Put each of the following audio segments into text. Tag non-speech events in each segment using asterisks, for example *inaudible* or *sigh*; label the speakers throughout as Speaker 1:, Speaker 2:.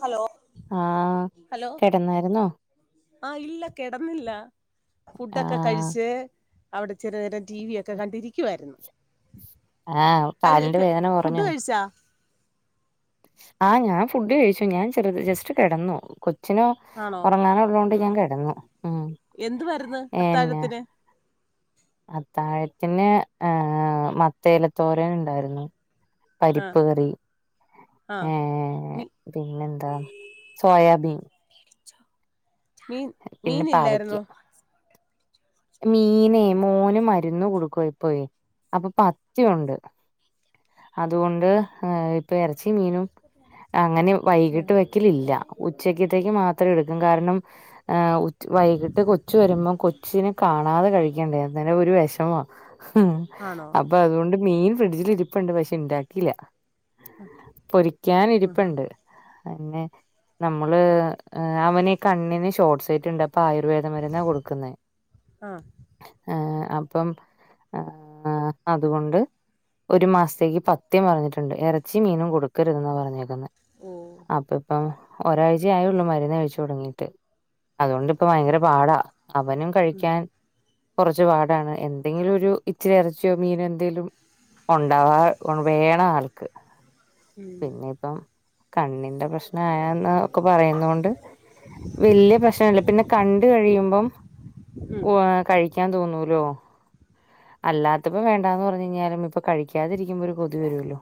Speaker 1: Hello
Speaker 2: ആഹ്
Speaker 1: hello
Speaker 2: കിടന്നായിരുന്നോ
Speaker 1: ആഹ് ഇല്ല കെടന്നില്ല ഫുഡൊക്കെ
Speaker 2: ആഹ്
Speaker 1: കഴിച്ച് അവടെ ഇച്ചിര നേരം ടി വി ഒക്കെ കണ്ടിരിക്കുവാര്ന്നു
Speaker 2: ആഹ് കാലിന്റെ വേദന
Speaker 1: ഫുഡ്
Speaker 2: കൊറഞ്ഞു
Speaker 1: കഴിച്ചാ
Speaker 2: ആഹ് ഞാ ഫുഡ് കഴിച്ചു ഞാൻ ചെറ്ത് ജസ്റ്റ് കെടന്നു കൊച്ചിന്
Speaker 1: ആണോ
Speaker 2: ഒറങ്ങാന് ള്ളോണ്ട്
Speaker 1: ഉം
Speaker 2: ഞാൻ കെടന്നു ഉം
Speaker 1: എന്തുവാരുന്ന്
Speaker 2: ഇന്നെ
Speaker 1: അത്താഴത്തിന്
Speaker 2: അത്താഴത്തിന് ഏഹ് മത്തേലത്തോരന് ണ്ടാര്ന്നു.
Speaker 1: ആഹ്
Speaker 2: പരിപ്പ് കറി
Speaker 1: ആഹ്
Speaker 2: ഏഹ്
Speaker 1: മീ
Speaker 2: പിന്നെന്താ സോയാബീൻ
Speaker 1: മീൻ
Speaker 2: പിന്നെ
Speaker 1: മീൻ ഇല്ലായിരുന്നോ
Speaker 2: മീനേ മോന് മരുന്ന് കൊടുക്കുവാ ഇപ്പോ അപ്പ പത്ത്യോണ്ട് അതുകൊണ്ട് എഹ് ഇപ്പ ഇറച്ചി മീനും അങ്ങനെ വൈകിട്ട് വെക്കലില്ല ഉച്ചക്കത്തേക്ക് മാത്രം എട്ക്കും കാരണം ഏഹ് ഉച് വൈകിട്ട് കൊച്ചു വരുമ്പം കൊച്ചിന് കാണാതെ കഴിക്കണ്ടേ അന്നേരം ഒരു വെഷമാ
Speaker 1: ആണോ
Speaker 2: അപ്പ അതുകൊണ്ട് മീൻ ഫ്രിഡ്ജിൽ ഇരി പ്പ്ണ്ട് പക്ഷെ ണ്ടാക്കീല പൊരിക്കാൻ
Speaker 1: ആഹാ
Speaker 2: ഇരിപ്പ്ണ്ട് പിന്നെ നമ്മള് ഏഹ് അവന് കണ്ണിന് ഷോട്ട്സ് സൈറ്റ്ണ്ട് അപ്പ ആയുർവേദ മര്ന്നാ കൊട്ക്ക്ന്നേ.
Speaker 1: ആഹ്
Speaker 2: ഏഹ് അപ്പം ഏഹ് അതുകൊണ്ട് ഒരു മാസത്തേക്ക് പത്ത്യം പറഞ്ഞിട്ട്ണ്ട് എറച്ചി, മീനും കൊട്ക്കര്തെന്ന് പറഞ്ഞു
Speaker 1: ഓ
Speaker 2: അപ്പ ഇപ്പം ഒരാഴ്ചയായൊള്ളു മര്ന്ന് കഴിച്ചു തൊടങ്ങിട്ട് അതോണ്ടിപ്പ ഭയങ്കര പാടാ അവനും കഴി ക്കാൻ കൊറച്ച് പാടാണ് എന്തെങ്കിലും ഒരു ഇച്ചിര എറച്ചിയോ മീനോ എന്തേലും ഒണ്ടാവാ വേണം ആൾക്ക്
Speaker 1: ഉം
Speaker 2: പിന്നെ പ്പം കണ്ണിന്റെ പ്രശ്നം ന്ന് ഒക്കെ പറയുന്നത് കൊണ്ട് വെല്ല്യേ പ്രശ്നല്ല പിന്നെ കണ്ട് കഴിയുമ്പം
Speaker 1: ഉം
Speaker 2: ഖ്വാ കഴിക്കാൻ തോന്നൂലോ അല്ലാത്തപ്പോ വേണ്ടാന്ന് പറഞ്ഞു കഴിഞ്ഞാലും ഇപ്പൊ കഴിക്കാതിരിക്കുമ്പോൾ ഒരു കൊതി വരൂല്ലേ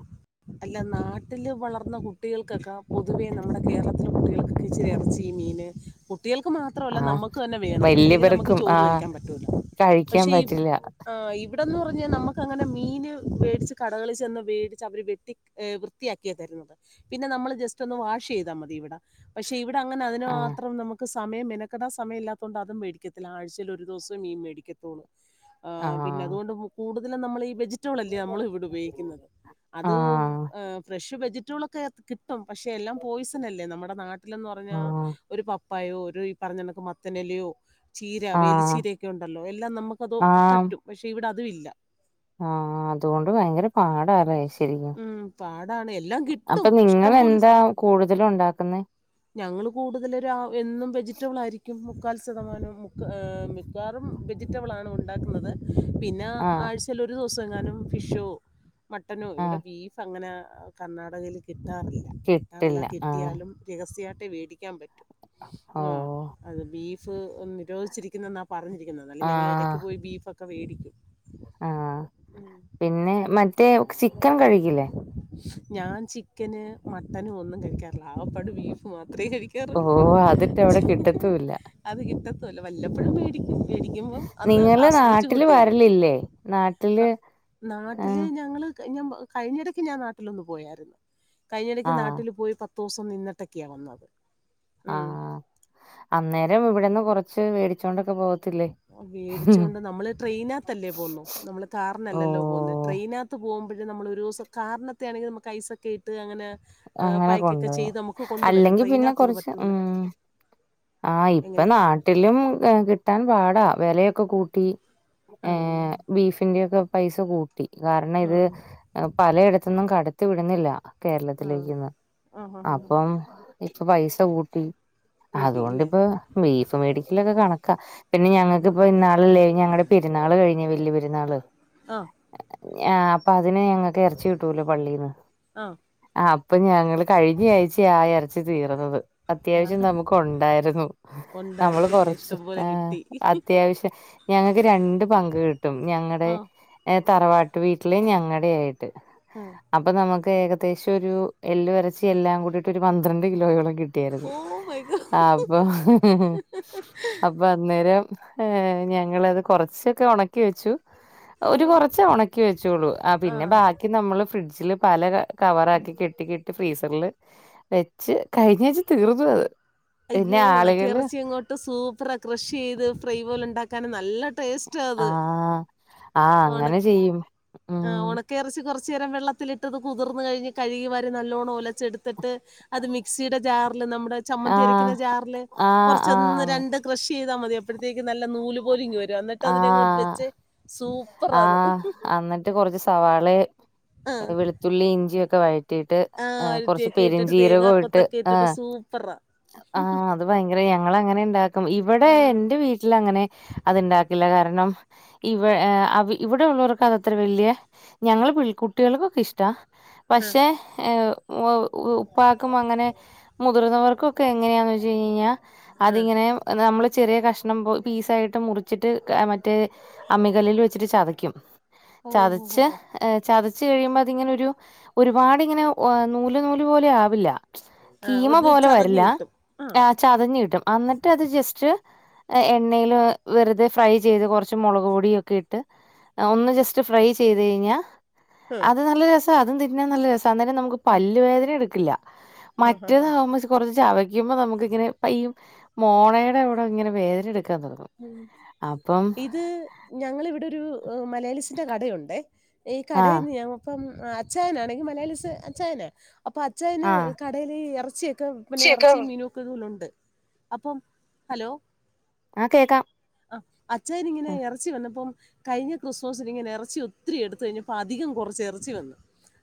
Speaker 1: അല്ല നാട്ടില് വളർന്ന കുട്ടികൾക്കൊക്കെ പൊതുവേ നമ്മുടെ കേരളത്തിലെ കുട്ടികൾക്കൊക്കെ ഇച്ചിരി ഇറച്ചി ഈ മീന് കുട്ടികൾക്ക് മാത്രമല്ല
Speaker 2: ആഹ്
Speaker 1: നമുക്ക് തന്നെ വേണം ഇല്ലെങ്കിൽ നമുക്ക്
Speaker 2: വല്യവർക്കും
Speaker 1: ചോറ്
Speaker 2: ആഹ്
Speaker 1: കഴിക്കാൻ പറ്റില്ല
Speaker 2: കഴിക്കാൻ
Speaker 1: പക്ഷേ ഈ
Speaker 2: പറ്റില്ല
Speaker 1: ഇവിടെന്ന് പറഞ്ഞാൽ നമ്മുക്ക് അങ്ങനെ മീന് മേടിച്ച് കടകളിൽ ചെന്ന് വേടിച്ച് അവര് വ വൃത്തിയാക്കിയാ തരുന്നത് പിന്നെ നമ്മൾ ജസ്റ്റ് ഒന്ന് വാഷ് ചെയ്താൽ മതി ഇവിടെ പക്ഷെ ഇവിടെ അങ്ങനെ അതിന്
Speaker 2: ആഹ്
Speaker 1: മാത്രം നമുക്ക് സമയം മെനക്കിടാൻ സമയമില്ലത്തോണ്ട് അതും മെഡിക്കത്തില്ല ആഴ്ചയിൽ ഒരു ദിവസം മീൻ മേടിക്കത്തുള്ളു ആഹ് പിന്നെ അതുകൊണ്ട് കൂടുതലും നമ്മൾ ഈ വെജ വെജിറ്റബിൾ അല്ലെ നമ്മൾ ഇവിടെ ഉപയോഗിക്കുന്നത് അത്
Speaker 2: ആഹ്
Speaker 1: ഫ്രഷ് വെജിറ്റബിൾ ഒക്കെ കിട്ടും പക്ഷെ എല്ലാം പോയിസൺ അല്ലേ നമ്മുടെ നാട്ട നാട്ടില്ലെന്ന് പറഞ്ഞാ
Speaker 2: ആഹ്
Speaker 1: ഒരു പപ്പായോ ഒരു ഈ പറഞ്ഞ കണക്ക് മത്തനേലയോ ചീര
Speaker 2: ആഹ്
Speaker 1: വേലിച്ചീരയക്കെ ഉണ്ടല്ലോ എല്ലാം നമുക്കത്
Speaker 2: ആഹ്
Speaker 1: പറ്റും പക്ഷെ ഇവിടെ അതും ഇല്ല
Speaker 2: ആഹ് അതുകൊണ്ട് ഭയങ്കര പാടല്ലേ
Speaker 1: ഉം, പാടാണ് എല്ലാം
Speaker 2: അപ്പൊ
Speaker 1: കിട്ടും ഇഷ്ടം
Speaker 2: നിങ്ങളെന്താ കൂടുതലും ഉണ്ടാക്കുന്നേ
Speaker 1: ഞങ്ങള് കൂടുതലും ഒരു എന്നും വെജിറ്റബിൾ ആയിരിക്കും മുക്കാൽ ശതമാനം മിക്ക വാറും വെജിറ്റബിൾ ആണ് ഉണ്ടാക്കുന്നത് പിന്നെ
Speaker 2: ആഹ്
Speaker 1: ആഴ്ചയിൽ ഒരു ദിവസം എങ്ങാനും ഫിഷോ മട്ടനോ ഇവിടെ
Speaker 2: ആഹ്
Speaker 1: ബീഫ് അങ്ങനെ കർണാടകയിൽ കിട്ടാറില്ല കിട്ടാറില്ല
Speaker 2: കിട്ടില്ല ആഹ്
Speaker 1: കിട്ടിയാലും രഹസ്യയ്ട്ടെ മേടിക്കാൻ പറ്റു
Speaker 2: ഓ
Speaker 1: ഉം അത് ബീഫ് ഒന്ന് നിരോധിച്ചിരിക്കുന്നെന്നാണ് പറഞ്ഞിരിക്കുന്നത് അല്ല ഞങ്ങള്
Speaker 2: ആഹ്
Speaker 1: ഇടക്ക് പോയി ബീഫ് ഒക്കെ വേടിക്കും
Speaker 2: ആഹ്
Speaker 1: ഉം
Speaker 2: പിന്നെ മറ്റേ ചിക്കൻ കഴിക്കില്ലേ
Speaker 1: ഞാൻ ചിക്കന് മട്ടനും ഒന്നും കഴിക്കാറില്ല ആകപ്പാട് ബീഫ് മാത്രമേ കഴിക്കു
Speaker 2: ഓ
Speaker 1: കേറും
Speaker 2: അതിട്ട് അവിടെ കിട്ടത്തൂല്ല
Speaker 1: അത് കിട്ടാത്തൂല വല്ലപ്പോഴും മേടിക്കും മേടിക്കുമ്പം അന്ന്
Speaker 2: നിങ്ങള്
Speaker 1: ആസ്വദിച്ച
Speaker 2: നാട്ടില്
Speaker 1: ഫുഡ് കയ്‌ക്കും
Speaker 2: വരലില്ലേ നാട്ടില്
Speaker 1: നാട്ടില്
Speaker 2: ആഹ്
Speaker 1: ഞങ്ങള് ഞാൻ കഴിഞ്ഞിടയ്ക്ക് ഞാൻ നാട്ടിലൊന്ന് പോയായിരുന്നു കഴിഞ്ഞിടക്ക് ഞൻ
Speaker 2: ആഹ്
Speaker 1: നാട്ടിൽ പോയി പത്ത് പത്ത് ദിവസം നിന്നിട്ടൊക്കെയാ വന്നത് ഉം.
Speaker 2: ആഹ് അന്നേരം ഇവിടെന്ന് കുറച്ച് മേടിച്ചോണ്ടൊക്കെ പോ
Speaker 1: മേടിച്ചോണ്ട് നമ്മള് ട്രെയിനകത്തല്ലേ പോന്നു നമ്മള്
Speaker 2: ഓ
Speaker 1: കാറിനല്ലല്ലോ പോന്നത് ട്രെയിനകത്ത് അത്ത് പോകുമ്പോഴും നമ്മൾ ഒരുസം കാറിനകത്താനകിൽ നമുക്ക് ഐസൊക്കെ ഇട്ട് അങ്ങനെ ആ,
Speaker 2: അങ്ങനെ
Speaker 1: പായ്ക്കൊക്കെ
Speaker 2: കൊണ്ടൊരാ
Speaker 1: ചെയ്ത് നമുക്ക് കൊണ്ടുവരാം
Speaker 2: അല്ലെങ്കി പിന്നെ
Speaker 1: ട്രെയിനകത്ത് അത്
Speaker 2: കൊറച്ച് ഉം
Speaker 1: പറ്റൂല
Speaker 2: ആ ഇപ്പൊ
Speaker 1: എങ്ങനെ
Speaker 2: നാട്ട ട്ടിലും കിട്ടാൻ പാടാ വിലയൊക്കെ കൂട്ടി
Speaker 1: ആഹ്
Speaker 2: ഏഹ് ബീഫിൻ്റെയൊക്കെ പൈസ കൂട്ടി കാരണം ഇത്
Speaker 1: ആഹ്
Speaker 2: പലയിടത്തൊന്നും കടത്തി വിടുന്നില്ല കേരള
Speaker 1: ആഹ്
Speaker 2: ത്തിലേക്കും ഒന്നും
Speaker 1: ആഹ് ആഹ് ആഹ്
Speaker 2: അപ്പേം ഇപ്പം പൈസ കൂട്ടി
Speaker 1: കൂട്ടി ഇല്ലേ
Speaker 2: അതോണ്ടിപ്പം ബീഫ് മേടിക്കലൊക്കെ കണക്കാ പിന്നെ
Speaker 1: ആഹ്
Speaker 2: ഞങ്ങൾക്ക് ഇപ്പൊ ഇന്നാളല്ലേ ഞങ്ങളുടെ പെരുന്നാള് കഴിഞ് വല്യയ പെരുന്നാള്
Speaker 1: ആഹ്
Speaker 2: അപ്പൊ അതിന് ഞങ്ങൾക്ക് ഇറച്ചി കിട്ടൂല്ലോ പള്ളിന്ന്
Speaker 1: ആഹ്
Speaker 2: ആ അപ്പൊ ഞങ്ങള് കഴിഞ്ഞ ആഴ്ച്ചയാ ആ ഇറച്ചി തീർന്നത്
Speaker 1: ആഹ്
Speaker 2: അത്യാവശ്യം
Speaker 1: ആഹ്
Speaker 2: നമ്മുക്ക് ഉണ്ടായിരുന്നു നമ്മള്
Speaker 1: ഉണ്ടായിരുന്നില്ല
Speaker 2: കൊറച്ച്
Speaker 1: ഇഷ്ടം പോലെ
Speaker 2: ആ
Speaker 1: കിട്ടി
Speaker 2: അത്യാവശ്യം ഞങ്ങൾക്ക് രണ്ട് പങ്ക് കിട്ടും ഞങ്ങളുടെ
Speaker 1: ആഹ്
Speaker 2: തറവാട്ട് വീട്ടില് ഞങ്ങളുടെ ആയിട്ട്
Speaker 1: ആഹ്
Speaker 2: അപ്പൊ നമുക്ക് ഏക ദേശം ഒരു എല്ല് കുറച്ച് എല്ലാം കൂടിയിട്ട് ഒരു പന്ത്രണ്ട് കിലോയോളം കി കിട്ടിയാരുന്
Speaker 1: ഓ മൈ ഗോഡ്
Speaker 2: ആ അപ്പൊ അപ്പൊ അന്നേരം ഞങ്ങളത് കൊറച്ചൊക്കെ ഉണക്കി വെച്ചു ഒരു
Speaker 1: ഓഹ്
Speaker 2: കുറച്ച് ഉണക്കി വെച്ചോളു ആ പിന്നെ
Speaker 1: ആഹ്
Speaker 2: ബാക്കി നമ്മള് ഫ്രിഡ്ജില് പല കവറ ആക്കി കെട്ടി കെട്ടി ഫ്രീസറില് വെച്ച് കഴിഞ്ഞ ആഴ്ച്ച തീർന്നു അത് പിന്നെ
Speaker 1: അയ്യോ ഉണക്ക
Speaker 2: ആളുകള്
Speaker 1: ഇറച്ചി ഇങ്ങോട്ട് സൂപ്പറാ കൃഷ് ചെയ്ത് ഫ്രൈ പോലെ ഉണ്ടാക്കാന്‌ നല്ല ടേസ്റ്റ് റ്റാ അത്
Speaker 2: ആഹ് ആഹ് അങ്ങനെ
Speaker 1: ഒണക്ക
Speaker 2: ചെയ്യും
Speaker 1: ആ
Speaker 2: ഉം
Speaker 1: ഒണ കറിച്ച് കുറച്ച നേരം വെള്ളത്തിലിട്ടത് കുതിർന്ന് കഴിഞ്ഞ് കഴുകി വരി നല്ലോണ്ണം ഒലച്ചടുത്ത് ത്ത്ട്ട് അത് മിക്സിടെ ജാറിൽ നമ്മുടെ ചമ്മന്തി
Speaker 2: ആഹ്
Speaker 1: അരക്കുന്ന ജാറില്
Speaker 2: ആഹ്
Speaker 1: കുറച്ച്
Speaker 2: ആഹ്
Speaker 1: ഒന്ന്
Speaker 2: അങ്ങ
Speaker 1: രണ്ട് ക്രഷ് ചെയ്താൽ മതി അപ്പോഴത്തേക്കും നല്ല നൂല് പോലെ വരും എന്നിട്ട് അതിനങ്ങോട്ട്
Speaker 2: ആഹ്
Speaker 1: വെച്ച് സൂപ്പ്
Speaker 2: ആഹ് എന്നിട്ട് കുറച്ച് സവാള
Speaker 1: ആ
Speaker 2: വെളുത്തുള്ളി ഇഞ്ചിഒക്കെ വഴ റ്റിയിട്ട് ആ കുറച്ച്
Speaker 1: അരുത്തിയൊക്കെ ഇട്ടിട്ട്
Speaker 2: പെരിഞ്ചീരകം ഇട്ട്
Speaker 1: തേങ്ങാക്കൊത്തൊക്കെ ഇട്ടിട്ട്
Speaker 2: ആഹ്
Speaker 1: സൂപ്പറാ
Speaker 2: ആഹ അത് ഭയങ്കരം ഞങ്ങള് അങ്ങനെ ഇണ്ടാക്കും ഇവിടെ
Speaker 1: ആ
Speaker 2: എന്റെ വീ ട്ട്ല് അങ്ങനെ അത്ണ്ടാക്കില്ല കാരണം ഇവ ഏഹ് അവി ഇവിടെ ഉള്ളവർക്ക് അത്ര വലിയ ഞങ്ങൾ കുട്ടികൾക്കൊക്കെ ഇഷ്ട പക്ഷേ ഏഹ് വ ഉപ്പാക്കും അങ്ങനെ മുതിർന്നവർക്കും ഒക്കെ എങ്ങനെയാന്ന് വെച്ച് കഴിഞാ
Speaker 1: ആ
Speaker 2: അതിങ്ങനെ നമ്മള് ചെറിയ കഷ്ണം പോ പീസായിട്ട് മുറിച്ചിട്ട് മറ്റേ അമ്മികല്ലില് ഇച്ചിരിച് ചതക്കും
Speaker 1: ഓ ഓ, ഓ,
Speaker 2: ചതച്ച്
Speaker 1: ഓ.
Speaker 2: ഏ ചതച്ചു കഴിയുമ്പോ അതിങ്ങനെ ഒരുപാടി ഇങ്ങനെ ഓ നൂല് നൂല് പോലെ ആവില്ല
Speaker 1: ആ,
Speaker 2: കീമ
Speaker 1: ഒരു
Speaker 2: പോലെ
Speaker 1: ചതഞ്ഞ്
Speaker 2: വരില്ല
Speaker 1: കിട്ടും
Speaker 2: ആ ചതഞ് കിട്ടും എന്നിട്ട് അത് ജസ്റ്റ് എണ്ണയിൽ വെറുതെ ഫ്രൈ ചെയ്ത് കുറച്ച് മുളക് പൊടിയൊക്കെ ഇട്ട് ഒന്ന് ജസ്റ്റ് ഫ്രൈ ചെയ്ത് കഴിഞ്ഞാ
Speaker 1: ഹ്,
Speaker 2: അത് നല്ല രസാ അതും തിന്നാൻ നല്ല രസ അപ്പോ അന്നേരം നമുക്ക് പല്ല് വേദന എടുക്കില്ല
Speaker 1: ഹ, ഹ, ഹ.
Speaker 2: മറ്റേതാകുമ്പോ കുറച്ച് ചവയ്ക്കുമ്പോ നമുക്ക് ഇങ്ങനെ പയ്യ മോണയുടെ ഇവിടെ ഇങ്ങനെ വേദന എടു ഒക്ക തുടങ്ങും അപ്പം
Speaker 1: ഇത് ഞങ്ങളിവിടെ ഒരു മലയാളിസിന്റെറെ കടയുണ്ട് ഈ കടയിൽ
Speaker 2: ആഹ്
Speaker 1: നിന്ന് ഞാൻ അപ്പം അച്ചഛാനൻ ആണെ മലയാളിസ് അച്ചായനാ അപ്പൊ അ അച്ചായന്
Speaker 2: ആഹ്
Speaker 1: കടയിൽ ഇറച്ചിയൊക്കെ പിന്നെ ഇറച്ചി
Speaker 2: കേക്കാവോ
Speaker 1: മീനും ത്ത്ലുണ്ട് അപ്പം ഹലോ
Speaker 2: ആഹ് കേക്കാം
Speaker 1: ആഹ് അച്ചായാൻ ഇങ്ങനെ ഇറച്ചി വന്നപ്പം കഴിഞ്ഞ ക്രിസ്മസിൽ ഇങ്ങനെ ഇറച്ചി ഒത്തിരി എടുത്ത കഴിഞ്ഞപ്പോ അധികം കുറച്ച് ഇറച്ചി വന്നു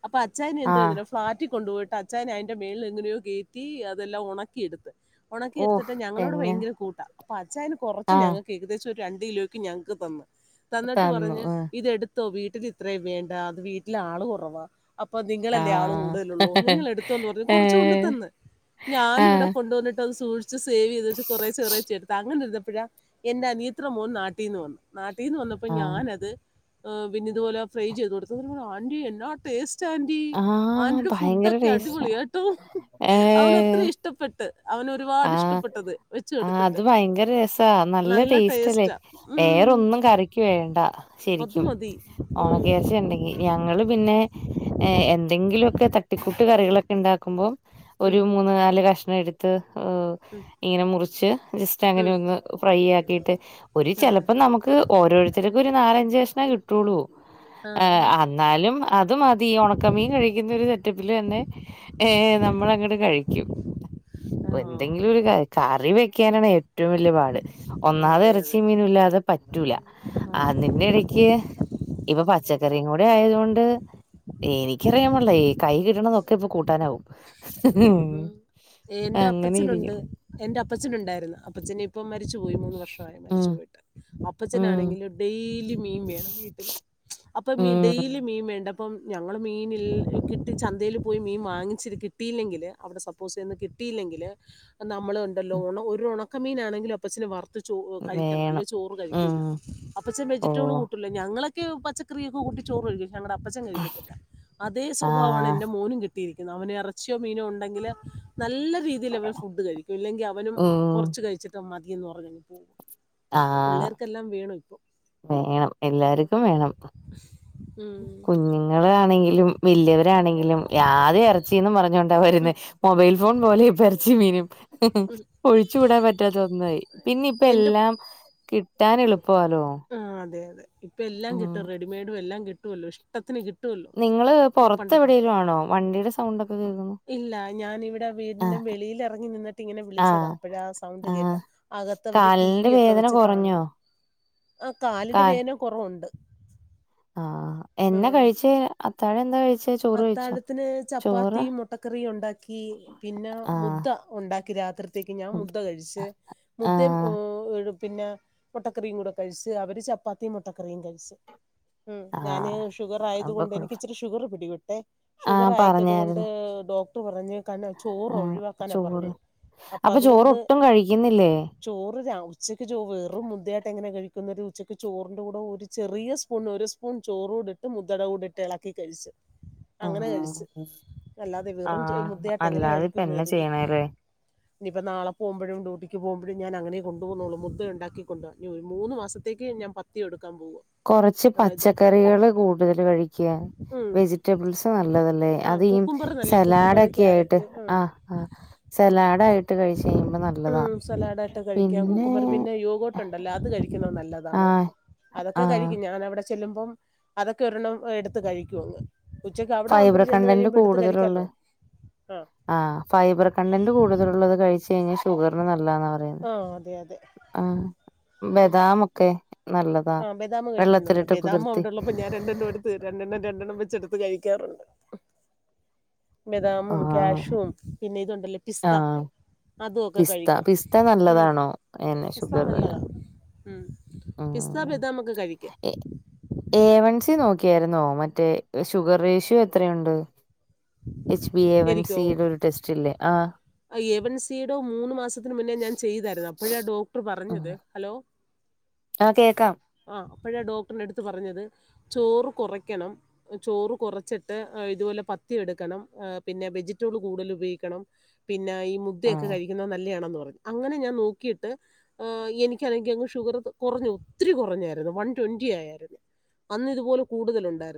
Speaker 1: അപ്പൊ അച്ചായൻ എന്തോ
Speaker 2: ആഹ്
Speaker 1: *unintelligible* ഫ്ളാറ്റിൽ കൊണ്ടുപോയിട്ട് അച്ചായൻ അതിൻന്റെ മുകളിൽ എങ്ങനെയോ കേറ്റി അതെല്ലാം ഉണക്കിയെടുത്ത് ഉണക്കി
Speaker 2: ഓഹ്
Speaker 1: എടുത്തിട്ട് ഞങ്ങളോട്
Speaker 2: എങ്ങനെ
Speaker 1: ഭയങ്കര കൂട്ട അപ്പ അച്ചായൻ കുറച്ച്
Speaker 2: ആഹ്
Speaker 1: ഞങ്ങക്ക് ഏകദേശം ഒരു രണ്ട് കിലോക്ക് ഞക്ക് തന്ന തന്നിട്ട്
Speaker 2: തന്നു
Speaker 1: പറഞ്
Speaker 2: ആഹ്
Speaker 1: ഇത് എടുത്ത് ത്തോ വീട്ടിൽ ഇത്രയും വേണ്ട അത് വീട്ടില ആള് കുറവാ അപ്പൊ നിങ്ങളല്ലേ ആള്
Speaker 2: ആഹ്
Speaker 1: കൂടുതലള്ളൂ നിങ്ങ എടുത്തോന്ന് പറഞ്ഞഞ് കുറച്ച് കൊണ്ട്
Speaker 2: ഏഹ്
Speaker 1: തന്ന് ഞാനിവിടെ
Speaker 2: ആഹ്
Speaker 1: കൊണ്ടുവന്നിട്ട്ത് അത് സൂ ക്ഷിച്ച് സേവ് ചെയ്ത് കൊറേ ച്ചെ കൊറെ ച്ചെ ചേടുത്ത അങ്ങനെ ഇരുന്നപ്പോഴാ എന്റെ അനിയത്തി ടെ മോൻ നാട്ടീന്ന് വന്നു നാട്ടിന്ന് വന്നപ്പോൾ
Speaker 2: ആഹ്
Speaker 1: ഞാനത് പിന്ന ഇതുപോലെ ഫ്രൈ ചെയ്ത് കൊടുത്തു ആൻന്റി എന്നാ ടേസ് റ്റ ആന്റി
Speaker 2: ആഹ്
Speaker 1: ആന്റിയുടെ ഫുഡ്
Speaker 2: ഭയങ്കര
Speaker 1: ഒക്കെ
Speaker 2: ടേസ്റ്റാ
Speaker 1: അടിപൊളിയ കേട്ടോ അവന അത്ര
Speaker 2: ഏഹ്
Speaker 1: ഇഷ് ഇഷ്ടപ്പെട്ട് അവന് ഒരുപാട്
Speaker 2: ആഹ്
Speaker 1: ഇഷ്ടപ്പെട്ടത് വെച്ച്
Speaker 2: ആഹ്
Speaker 1: കൊടുത്തിട്ട്
Speaker 2: അത് ഭയങ്കര രസ നല്ല ടേസ്റ്റ് അല്ലേ
Speaker 1: ടേസ്റ്റാ ഉം,
Speaker 2: വേറൊന്നും കറിക്ക് വേണ്ട
Speaker 1: അത്
Speaker 2: ശരിക്കും
Speaker 1: മതി ഉം,
Speaker 2: ഓണക്കയർച്ചിഉണ്ടെങ്കി ഞങ്ങള് പിന്നെ എ എന്തെങ്കിലുമൊക്കെ തട്ടിക്കൂട്ട് കറികളൊക്കെ ഉണ്ടാക്കുമ്പോൾ
Speaker 1: ഉം,
Speaker 2: ഒരു മൂന്ന് നാല് കഷണം എടുത്ത്
Speaker 1: ഉം,
Speaker 2: ഇങ്ങനെ മുറിച്ച് ജസ്റ്റ് അങ്ങനെ
Speaker 1: ഉം.
Speaker 2: ഒന്ന് ഫ്രൈ ആക്കിട്ട് ഒരു
Speaker 1: ആ,
Speaker 2: ചിലപ്പോം നമുക്ക് ഓരോരുത്തർക്കും ഒരു നാലഞ്ച് കഷ്ണം കിട്ടുള്ളൂ
Speaker 1: ആ, ആ.
Speaker 2: എന്നാലും അത് മതി ഉണക്കമീൻ കഴിക്കുന്ന ഒരു സെറ്റപ്പിൽ തന്നെ ഏഹ നമ്മള അങ്ങോട്ട് കഴിക്കും എന്തെങ്കിലും ഒരു ക കറി വെക്കാനാണ് ഏറ്റവും വല്യ പാട്
Speaker 1: ആ,
Speaker 2: ഒന്നാത്
Speaker 1: അതെ അതെ
Speaker 2: എറച്ചിം മീനും ഇല്ലാതെ പറ്റൂല
Speaker 1: അതെ
Speaker 2: അതിന്റെ എടയ്ക്ക് ഇപ്പൊ പച്ചക്കറിം കൂടെ ആയതോണ്ട് എനിക്കറിയാൻപാടില്ല കൈ കിട്ടണതൊക്കെ ഇപ്പൊ കൂട്ടാനാവും
Speaker 1: ഉം എന്റെ
Speaker 2: അങ്ങനെ
Speaker 1: അപ്പച്ചനുണ്ട്
Speaker 2: ഇരിക്കും.
Speaker 1: എന്റെ അപ്പച്ചനുണ്ടായിരുന്നു അപ്പച്ചന് ഇപ്പം മരിച്ചു പോയി മൂന്ന് വർഷമായി മരിച്ചു
Speaker 2: ഉം
Speaker 1: പോയിട്ട്
Speaker 2: ഉം
Speaker 1: അപ്പച്ചനാണെങ്കില് ഡെയിലി മീൻ വേണം വീട്ടില് അപ്പൊ മീൻ
Speaker 2: ഉം
Speaker 1: ഡെയിലി മീൻ വേണ്ട പ്പം ഞങ്ങള് മീനിൽ കിട്ടി ചന്തയില് പോയി മീൻ വാങ്ങിച്ചിട്ട് കിട്ടി ട്ടീല്ലെങ്കില് അവിടെ സപ്പോസ് ഇന്ന് കിട്ടിയില്ലെങ്കില് നമ്മള് ഉണ്ടല്ലോ ഉണ ഒരു ഒണക്കമീനാണെങ്കിലും അപ്പച്ചന് വറുത്ത് ചോ കഴിക്കണം
Speaker 2: വേണം.
Speaker 1: അല്ലേ ചോറ്
Speaker 2: ഉം
Speaker 1: കഴിക്കൂല്ല അപ്പച്ചൻ വെജിറ്റബിൾ
Speaker 2: ഓഹ്
Speaker 1: കൂട്ടൂല ഞങ്ങളൊക്കെ പച്ചക്കറിയൊക്കെ കൂട്ടി ചോറ് കഴിയ്ക്കും ഞങ്ങടെ അപ്പച്ചൻ കഴിക്കത്തില്ല അതേ സ്വഭാവാണ്
Speaker 2: ആഹ്
Speaker 1: എന്റെ മോനും കിട്ടിയിരിക്കുന്നെ അവനെ എർ റച്ചിയോ മീനോ ഉണ്ടെങ്കില് നല്ല രീതിയില് അവൻ ഫുഡ് കഴിക്കും ഇല്ലെങ്കിൽ അവനും
Speaker 2: ഉം
Speaker 1: കുറച്ച് കഴിച്ചിട്ട ട്ട് മതിയന്ന് പറഞ്ഞങ് പോകും
Speaker 2: ആഹ്
Speaker 1: എല്ലാം വേണം ഇപ്പൊ
Speaker 2: വേണം എല്ലാർക്കും വേണം ഇപ്പം
Speaker 1: ഉ *inaudible*
Speaker 2: കുഞ്ഞുങ്ങളാണെങ്കിലും വല്യവരാണെങ്കിലും ആദ്യം ഇറച്ചിന്നും പറഞ്ഞോണ്ട ണ്ടാ വരുന്നെ
Speaker 1: ഹും.
Speaker 2: മൊബൈൽ ഫോൺ പോലെയാ ഇപ്പൊ എറച്ചിം മീനും ഒഴിച്ച് കൂടാൻ പറ്റാത്ത ഒന്നായി
Speaker 1: എൻ്റെ
Speaker 2: പിന്നിപ്പെല്ലാം കിട്ടാനെളുപ്പവാല്ലോ
Speaker 1: ആഹ് അതെ അതെ ഇപ്പെല്ലാം കിട്ടും റെഡിമെയ്ഡും എല്ലാം കിട്ടുമല്ലോ ഇഷ്ട്ട ട്ടത്തിന് കിട്ടുമല്ലോ
Speaker 2: നിങ്ങള്
Speaker 1: ഇപ്പൊ
Speaker 2: പൊറത്ത്
Speaker 1: പണ്ടത്തെ
Speaker 2: എവിടേലും ആണോ വണ്ടിയുടെ സൗണ്ട് ഒക്കെ കേൾക്കുന്നു
Speaker 1: ഇല്ല ഞാനിവിടെ വി പിന്നെ
Speaker 2: ആഹ്
Speaker 1: വെളിയില് എറങ്ങി നിന്നിട്ട് ഇങ്ങനെ വിളിച്ചതാ
Speaker 2: ആഹ്
Speaker 1: അപ്പഴ സൗണ്ട്
Speaker 2: ആഹ്
Speaker 1: കേട്ടെ അകത്തവര് ടി
Speaker 2: കാലിന്റെ
Speaker 1: വി ഒക്കെ
Speaker 2: വേദന
Speaker 1: വെച്ച്
Speaker 2: കൊറഞ്ഞോ
Speaker 1: കാണുന്നു ആഹ് കാലിന്റെ
Speaker 2: കാൽ
Speaker 1: വേദന കൊറവുണ്ട്
Speaker 2: ആഹ് എന്ന കഴിച്ചേ അത്താഴെന്താ കഴിച്ചേ ചോറ് കഴിച്ചോ
Speaker 1: അത്താഴത്തിന്
Speaker 2: ചോറ്
Speaker 1: ചപ്പാത്തിയും മുട്ടക്കറിയും ഉണ്ടാക്കി പിന്നെ
Speaker 2: ആഹ്
Speaker 1: മുദ്ദ ഒണ്ടാക്കി രാത്രിത്തേക്ക് ഞാൻ മുദ്ദ കഴിച്ച് മുദ്ദേം
Speaker 2: ആഹ്
Speaker 1: ഒരു പിന്നെ മൊട്ടക്കറിയും കൂടെ കഴിച്ച് അവര് ചപ്പാത്തിയും മൊട്ടക്കറിയും കഴിച്ച് ഉം ഞാന്
Speaker 2: ആഹ്
Speaker 1: ഷുഗർ ആയത്
Speaker 2: അപ്പൊ
Speaker 1: കൊണ്ട്
Speaker 2: കൊഴപ്പം
Speaker 1: എനിക്കിച്ചിരി ഷുഗറ് പിടി പെട്ടെ ഷുഗർ
Speaker 2: ആഹ്
Speaker 1: ആയിക്കതുകൊണ്ട്
Speaker 2: പറഞ്ഞായിരുന്നു
Speaker 1: ഡോക്ടർ പറഞ്ഞേക്കാണ്
Speaker 2: ആഹ്
Speaker 1: ചോറൊഴിവാക്കാനാ
Speaker 2: ചോറ്
Speaker 1: പറഞ്ഞേ
Speaker 2: അപ്പൊ ചോറ്
Speaker 1: അപ്പതുകൊണ്ട്
Speaker 2: ഒട്ടും കഴിക്കുന്നില്ലേ
Speaker 1: ചോറ് ര ഉച്ചക്ക് ചോ വെറും മുദ്ദയായിട്ട് എങ്ങനെ കഴിക്കുന്നെ ഒരു ഉച്ചയ്ക്ക് ചോറിൻ്റെ കൂടെ ഒരു ചെറിയ സ്പൂൺ ഒരു സ്പൂൺ ചോറൂടെ ഇട്ട് മുദട കൂടിട്ട് എളക്കി കഴിച്ചു അങ്ങനെ കഴിച്ച്
Speaker 2: ആഹ്
Speaker 1: അല്ലാതെ വെറും
Speaker 2: ആഹ്
Speaker 1: മുദ്ധയായിട്ട് എങ്ങനെ
Speaker 2: അല്ലാതെ ഇപ്പ
Speaker 1: കഴിക്കൂന്ന്
Speaker 2: എന്നാ
Speaker 1: കരുതി
Speaker 2: ചെയ്യണല്ലേ
Speaker 1: ഇഞ്ഞിപ്പോ നാളെ പോകുമ്പഴും ഡ്യൂട്ടിക്ക് പോകുമ്പഴും ഞാനങ്ങന കൊണ്ട് പോകുന്നൊള്ളൂ മുദ്ദ ഉണ്ടാക്കി കൊണ്ട്പോവാ ഇഞ്ഞി ഒരു മൂന്ന് മാസത്തേക്ക് ഞാ ത്തിയെടുക്കൻ പോവാ
Speaker 2: കൊറച്ച്
Speaker 1: ഇത്
Speaker 2: പച്ചക്കറികള് കൂടുതല് കഴിയ്ക്ക
Speaker 1: ഉം
Speaker 2: വെജി റ്റബിൾസ് നല്ലതല്ലേ
Speaker 1: ആ
Speaker 2: അതി
Speaker 1: കുക്കുംബർ നല്ലേ കുക്കുംബർ
Speaker 2: സലാഡക്കെ ആയിട്ട്
Speaker 1: ക്യാരറ്റ് ഉം
Speaker 2: ആഹ് ആഹ് സലാഡായിട്ട് കഴിച്ച് കഴിയുമ്പോ നല്ലതാ പിന്നെ
Speaker 1: യോഗട്ടുണ്ടല്ലോ അത് കഴിക്കുന്നത് നല്ലതാണ്
Speaker 2: ആഹ്
Speaker 1: അതൊക്കെ
Speaker 2: ആഹ്
Speaker 1: കഴിക്കും ഞാനവിടെ ചെല്ലുമ്പം അതൊക്കെ ഒരെണ്ണം എടുത്ത് കഴിയ്ക്കും അങ്ങ് ഉച്ചക്ക് അവിടെ
Speaker 2: ഫൈബർ
Speaker 1: ആവുമ്പോഴ് ചെന്ന്
Speaker 2: കണ്ടന്റ്
Speaker 1: കഴിയുമ്പോ എടുത്ത്
Speaker 2: കൂടുതലുള്ള
Speaker 1: കഴിക്കാല്ലോ
Speaker 2: ആഹ് ഫൈബർ കണ്ടന്റ് കൂടുതലുള്ളത് കഴിച്ച് കഴിഞ്ഞ ഷുഗറിന് നല്ലാന്ന പറയുന്നെ
Speaker 1: ആഹ് അതെ അതെ
Speaker 2: ആഹ് ബദാമൊക്കെ നല്ലതാ
Speaker 1: ആഹ് ബദാമ് കഴിക്കുന്നുണ്ട്
Speaker 2: വെള്ളത്തിലിട്ട്
Speaker 1: ബദാമ്
Speaker 2: കുതിർത്തി
Speaker 1: അവിടൊള്ളപ്പോ ഞാൻ രണ്ടെണ്ണേടുത്ത് രണ്ടെണ്ണം രണ്ടെണ്ണം വെച്ച് എടുത്ത് കഴിക്കാറുണ്ട് ബദാമും
Speaker 2: ആഹ്
Speaker 1: കാഷ്യും പിന്നെ ഇതുണ്ടല്ലോ പിസ്ത
Speaker 2: ആഹ്
Speaker 1: അതുവൊക്കെ
Speaker 2: പിസ്ത
Speaker 1: കഴിക്കും
Speaker 2: പിസ്ത
Speaker 1: ഉം
Speaker 2: നല്ലതാണോ എന്നെ
Speaker 1: പിസ്ത
Speaker 2: ഷുഗറിന്
Speaker 1: നല്ലതാ ഉം പിസ്ത ബദാമൊക്കെ കഴിക്കാം
Speaker 2: ഏവൺ സി നോക്കിയായിരുന്നോ മറ്റേ ഷുഗർ റേഷ്യോ എത്രയുണ്ട് എച്ച് ബി എ വൺ സിൽ ഒരു ടെസ്റ്റ് ഇല്ലേ ആ
Speaker 1: ആ് എവൻ സിയുടെോ മൂന്ന് മാസത്തിന് മുന്നേ ഞാൻ ചെയ്തായിരുന്നു അപ്പോഴാ ഡോക്ടർ
Speaker 2: ഉം
Speaker 1: പറഞ്ഞത് ഹലോ
Speaker 2: ആഹ് കേക്കാം
Speaker 1: ആഹ് അപ്പോഴാ ഡോക്ടറ് എന്റെടുത്ത് പറഞ്ഞത് ചോറ് കുറയ്ക്കണം ചോറ് കുറച്ചിട്ട് ഇതുപോലെ പത്തിയ എടുക്കണം പിന്നെ വെജിറ്റബിൾ കൂടുതൽ ഉപയോഗിക്കണം പിന്നെ ഈ മുദ്ദയൊക്കെ
Speaker 2: ആഹ്
Speaker 1: കഴിക്കുന്നത് നല്ലയാണെന്ന് പറഞ്ഞഞ് അങ്ങനെ ഞാൻ നോക്കിയിട്ട് ആഹ് എനിക്ക് അല്ലെങ്കിൽ അങ്ങ് ഷുഗർ കുറഞ്ഞു ഒത്തിരി കുറഞ്ഞായിരുന്നു വൺ ട്വന്റി ആയയിരുന്നു അന്ന് ഇതുപോലെ കൂടുതല് ഉണ്ടായിരുന്നു